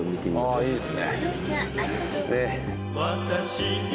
いいですね。